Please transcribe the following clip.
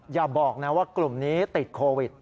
อย่าบอกนะว่ากลุ่มนี้ติดโควิด